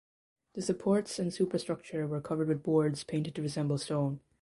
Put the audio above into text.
The supports and superstructure were covered with boards painted to resemble stone.